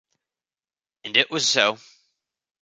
and it was so.